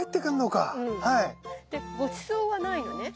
でごちそうはないのね。